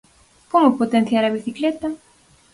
Como potenciar a bicicleta?